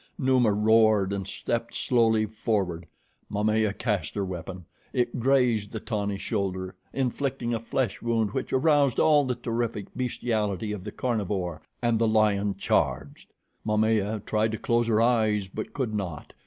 Numa roared and stepped slowly forward. Momaya cast her weapon. It grazed the tawny shoulder, inflicting a flesh wound which aroused all the terrific bestiality of the carnivore, and the lion charged. Momaya tried to close her eyes, but could not.